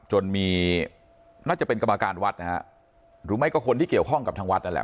จนมีน่าจะเป็นกรรมการวัดนะฮะหรือไม่ก็คนที่เกี่ยวข้องกับทางวัดนั่นแหละ